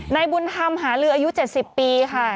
บุญธรรมหาลืออายุ๗๐ปีค่ะ